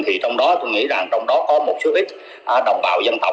thì trong đó tôi nghĩ rằng trong đó có một số ít đồng bào dân tộc